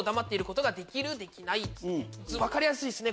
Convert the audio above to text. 分かりやすいですね